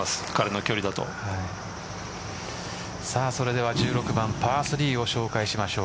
それでは１６番パー３を紹介しましょう。